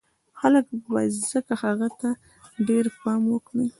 خلک به ځکه هغه ته ډېر پام وکړي